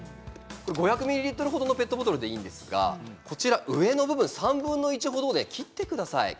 ５００ミリリットル程のペットボトルでいいんですが上の部分を３分の１程でカッターなどで切ってください。